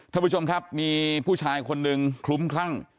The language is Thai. ท่านผู้ชมครับมีผู้ชายคนหนึ่งคลุ้มคลั่ง